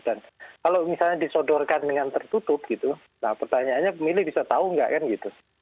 kalau misalnya disodorkan dengan tertutup gitu nah pertanyaannya pemilih bisa tahu nggak kan gitu